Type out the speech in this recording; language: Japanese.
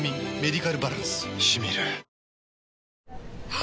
あ！